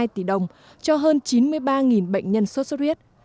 sáu mươi hai tỷ đồng cho hơn chín mươi ba bệnh nhân sốt sốt huyết